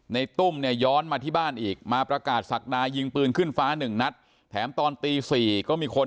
ตุ้มเนี่ยย้อนมาที่บ้านอีกมาประกาศศักดายิงปืนขึ้นฟ้าหนึ่งนัดแถมตอนตี๔ก็มีคน